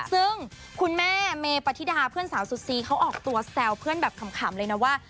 ซึ่งคุณแม่เมปฏิดาเพื่อนสาวสุดซีเขาออกตัวแซวเพื่อนแบบขำเลยนะว่า